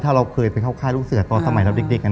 ถ้าเราเคยไปเข้าค่ายลูกเสือตอนสมัยเราเด็ก